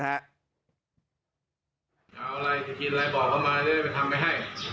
หลบมา